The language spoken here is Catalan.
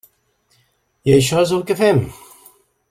I això és el que fem.